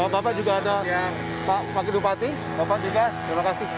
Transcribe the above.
bapak juga ada pak pakidupati bapak juga terima kasih